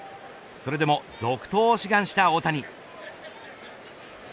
それでも続投を志願した大谷。